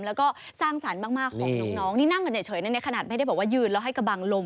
แล้วก็สร้างสรรค์มากของน้องนี่นั่งกันเฉยในขณะไม่ได้บอกว่ายืนแล้วให้กระบังลม